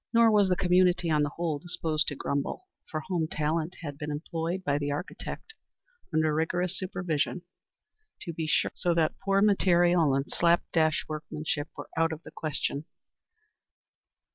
Nor was the community on the whole disposed to grumble, for home talent had been employed by the architect; under rigorous supervision, to be sure, so that poor material and slap dash workmanship were out of the question.